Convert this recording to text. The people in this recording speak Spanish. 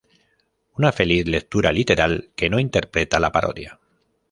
Una feliz lectura literal, que no interpreta la parodia.